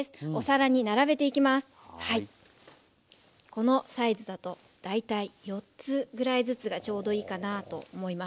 このサイズだと大体４つぐらいずつがちょうどいいかなと思います。